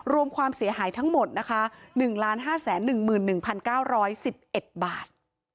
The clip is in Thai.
รวมความเสียหายทั้งหมดนะคะ๑๕๑๑๙๑๑บาท